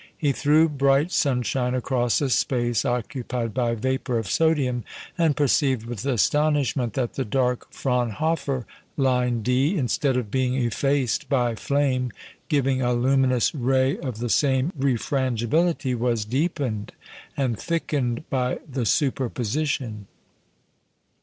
He threw bright sunshine across a space occupied by vapour of sodium, and perceived with astonishment that the dark Fraunhofer line D, instead of being effaced by flame giving a luminous ray of the same refrangibility, was deepened and thickened by the superposition.